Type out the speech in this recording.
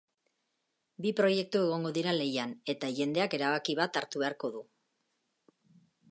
Bi proiektu egongo dira lehian, eta jendeak erabaki bat hartu beharko du.